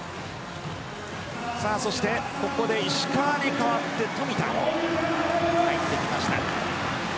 そして、ここで石川に代わって富田が入ってきました。